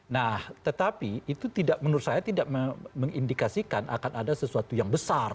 nah tetapi itu menurut saya tidak mengindikasikan akan ada sesuatu yang besar